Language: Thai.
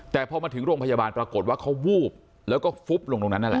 แต่พอมาถึงโรงพยาบาลปรากฏว่าเขาวูบแล้วก็ฟุบลงตรงนั้นนั่นแหละ